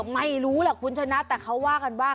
ไม่รู้ล่ะคุณชนะแต่เขาว่ากันว่า